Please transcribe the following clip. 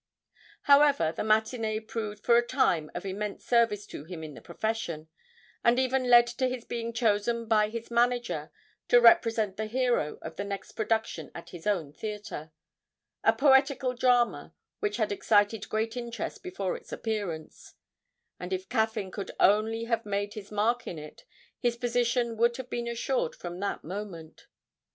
However, the matinée proved for a time of immense service to him in the profession, and even led to his being chosen by his manager to represent the hero of the next production at his own theatre a poetical drama which had excited great interest before its appearance and if Caffyn could only have made his mark in it, his position would have been assured from that moment.